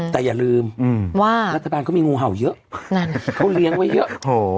แต่อย่าลืมว่ารัฐบาลเขามีงูเห่าเยอะนั่นเขาเลี้ยงไว้เยอะ